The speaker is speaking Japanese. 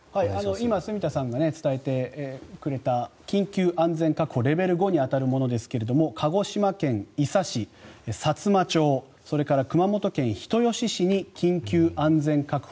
今、住田さんが伝えてくれた緊急安全確保レベル５に当たるものですが鹿児島県伊佐市、さつま町それから熊本県人吉市に緊急安全確保。